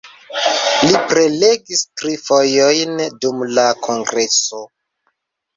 Li prelegis tri fojojn dum la kongreso.